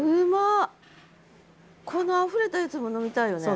このあふれたやつも飲みたいよね。